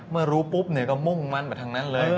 เมื่อรู้ปุ๊บก็มุ่งมั่นไปทั้งนั้นเลย